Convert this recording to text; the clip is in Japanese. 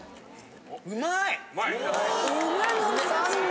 ・うまい？